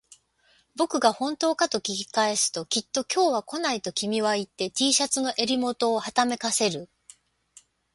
僕が本当かと聞き返すと、きっと今日は来ないと君は言って、Ｔ シャツの襟元をはためかせる